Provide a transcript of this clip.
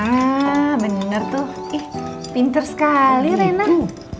nah bener tuh pinter sekali rena